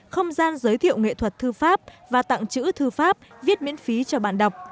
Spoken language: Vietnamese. không gian giới thiệu nghệ thuật thư pháp và tặng chữ thư pháp viết miễn phí cho bạn đọc